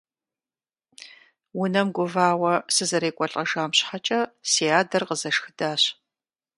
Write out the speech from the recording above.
Унэм гувауэ сызэрекӀуэлӏэжам щхьэкӀэ си адэр къызэшхыдащ.